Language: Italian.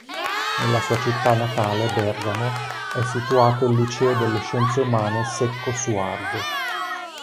Nella sua città natale, Bergamo, è situato il Liceo delle Scienze Umane Secco Suardo